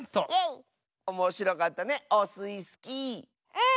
うん。